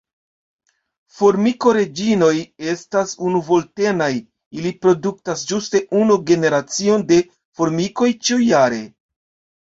Formikoreĝinoj estas unuvoltenaj (ili produktas ĝuste unu generacion de formikoj ĉiujare).